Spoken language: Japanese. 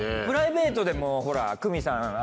プライベートでもほらクミさん